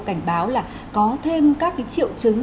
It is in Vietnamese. cảnh báo là có thêm các triệu chứng